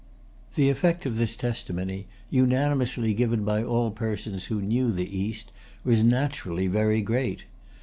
The effect of this testimony, unanimously given by all persons who knew the East, was naturally very great.